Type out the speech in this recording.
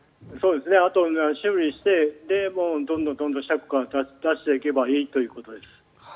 あとは修理してどんどん車庫から出していけばいいということです。